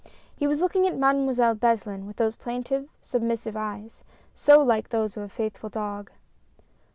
He was looking at Mademoiselle Beslin with those plaintive, submissive eyes, so like those of a faithful dog.